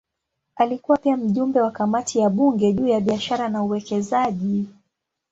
Alikuwa pia mjumbe wa kamati ya bunge juu ya biashara na uwekezaji.